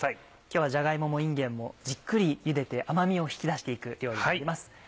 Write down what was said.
今日はじゃが芋もいんげんもじっくりゆでて甘みを引き出して行く料理になります。